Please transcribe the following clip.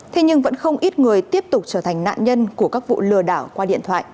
thế nhưng vẫn không ít người tiếp tục trở thành nạn nhân của các vụ lừa đảo qua điện thoại